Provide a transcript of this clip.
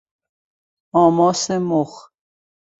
آماس مخ